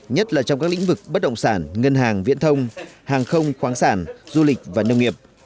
nhất là trong các lĩnh vực bất động sản ngân hàng viễn thông hàng không khoáng sản du lịch và nông nghiệp